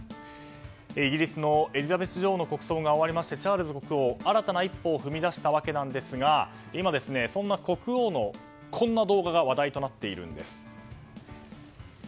イギリスのエリザベス女王の国葬が終わりましてチャールズ国王は新たな一歩を踏み出したわけですが今、そんな国王のこんな動画が話題となっているんです。